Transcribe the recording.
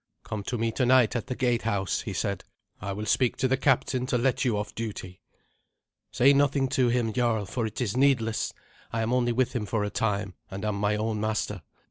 "Come to me tonight at the gatehouse," he said. "I will speak to the captain to let you off duty." "Say nothing to him, jarl, for it is needless. I am only with him for a time, and am my own master.